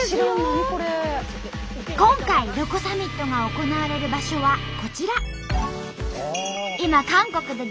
今回ロコサミットが行われる場所はこちら。